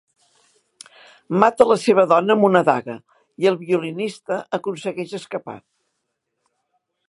Mata la seva dona amb una daga, i el violinista aconsegueix escapar.